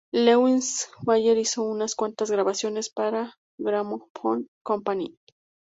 Lewis Waller hizo unas cuantas grabaciones para Gramophone Company.